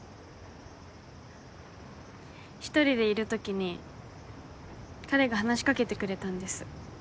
１人でいる時に彼が話し掛けてくれたんです。